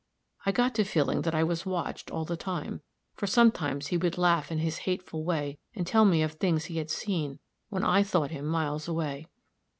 I got to feeling that I was watched all the time; for sometimes he would laugh in his hateful way, and tell me of things he had seen when I thought him miles away.